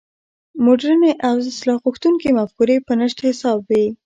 مډرنې او اصلاح غوښتونکې مفکورې په نشت حساب وې.